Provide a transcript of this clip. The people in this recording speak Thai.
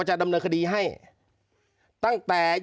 เจ้าหน้าที่แรงงานของไต้หวันบอก